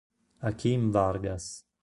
Akeem Vargas